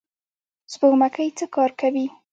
سپوږمکۍ څه کار کوي؟